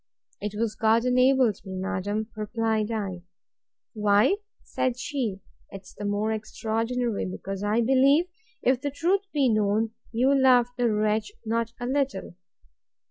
It was God enabled me, madam, replied I. Why, said she, 'tis the more extraordinary, because I believe, if the truth was known, you loved the wretch not a little.